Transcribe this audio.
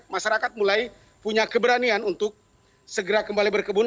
masyarakat mulai punya keberanian untuk segera kembali berkebun